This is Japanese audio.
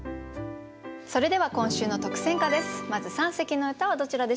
それでは今週の特選歌です。